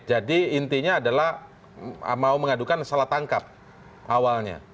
jadi intinya adalah mau mengadukan salah tangkap awalnya